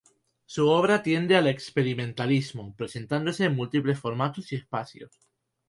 Su obra tiende al experimentalismo, presentándose en múltiples formatos y espacios.